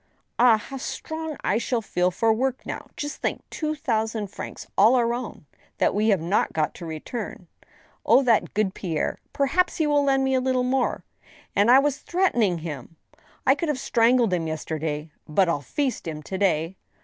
Ah ! how strong I shall feel for work now ! Just think, two thousand francs all our own, that we have not got to return !... Oh, that good Pierre ! perhaps he will lend me a little more. And I was threaten ing him !... I could have strangled him yesterday, ,.. but I'll feast him to day